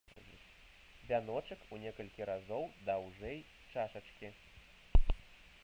Вяночак у некалькі разоў даўжэй чашачкі.